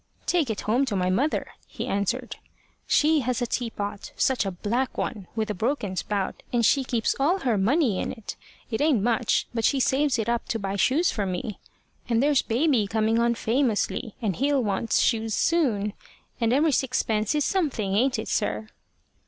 "Take it home to my mother," he answered. "She has a teapot such a black one! with a broken spout, and she keeps all her money in it. It ain't much; but she saves it up to buy shoes for me. And there's baby coming on famously, and he'll want shoes soon. And every sixpence is something ain't it, sir?"